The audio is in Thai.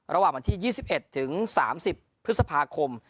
ระหว่างวันที่๒๑ถึง๓๐พฤษภาคม